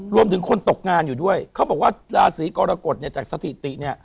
รวมถึงคนตกงานอยู่ด้วยเขาบอกว่าราศีกรกฎเนี่ยจากสถิติเนี่ย